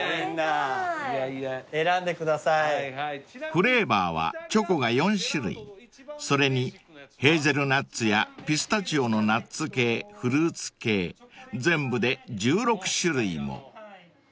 ［フレーバーはチョコが４種類それにヘーゼルナッツやピスタチオのナッツ系フルーツ系全部で１６種類も］